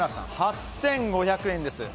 ８５００円です。